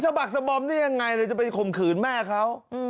บักสะบอมได้ยังไงเลยจะไปข่มขืนแม่เขา